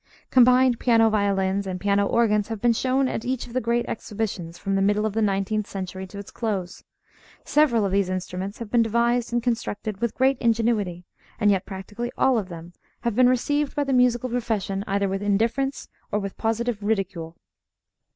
Combined piano violins and piano organs have been shown at each of the great Exhibitions from the middle of the nineteenth century to its close. Several of these instruments have been devised and constructed with great ingenuity; and yet practically all of them have been received by the musical profession either with indifference or with positive ridicule.